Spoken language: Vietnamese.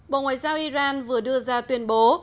bộ ngoại giao iran vừa đưa ra tuyên bố